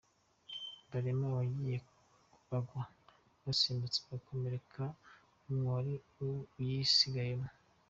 Barimo abagiye bagwa basimbutse bagakomereka n’umwe wari uyisigayemo.